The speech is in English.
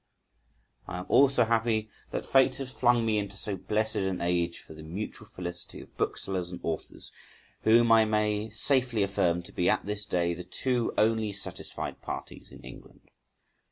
I am also happy that fate has flung me into so blessed an age for the mutual felicity of booksellers and authors, whom I may safely affirm to be at this day the two only satisfied parties in England.